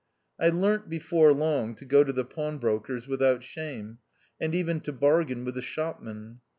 I learnt before long to go to the pawn brokers without shame, and even to bargain with the shopman.